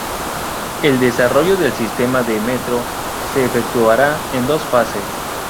El desarrollo del sistema de metro se efectuará en dos fases.